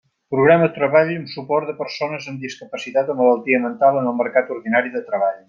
Programa treball amb suport de persones amb discapacitat o malaltia mental en el mercat ordinari de treball.